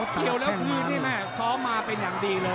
เกี่ยวแล้วคืนนี่แม่ซ้อมมาเป็นอย่างดีเลย